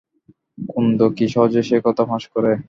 কুন্দ কি সহজে সে কথা ফাঁস করে?